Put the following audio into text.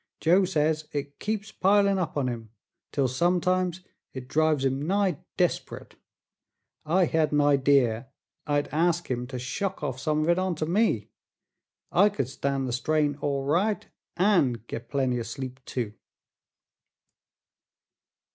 Joe says it keeps pilin' up on him, till sometimes it drives him nigh desp'rit. I hed an idee I'd ask him to shuck off some of it onter me. I could stan' the strain all right, an' get plenty o' sleep too."